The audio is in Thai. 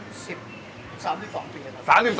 ๑๐๓๒ปีครับ